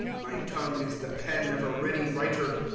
My tongue is the pen of a ready writer.